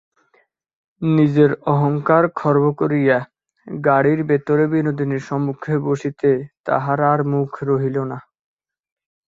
নিজের অহংকার খর্ব করিয়া গাড়ির ভিতরে বিনোদিনীর সন্মুখে বসিতে তাহার আর মুখ রহিল না।